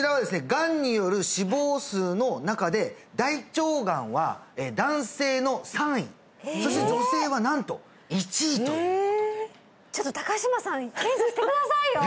がんによる死亡数の中で大腸がんは男性の３位そして女性はなんと１位ということでちょっと高島さん検査してくださいよ！